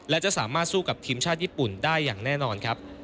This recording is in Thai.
และจะสามารถสู้กับทีมชาติญี่ปุ่นได้อย่างแน่นอนครับ